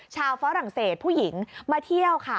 ฝรั่งเศสผู้หญิงมาเที่ยวค่ะ